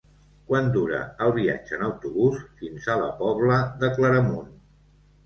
Quant dura el viatge en autobús fins a la Pobla de Claramunt?